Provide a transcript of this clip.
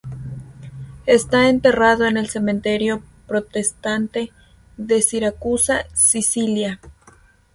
Está enterrado en el cementerio protestante de Siracusa, Sicilia.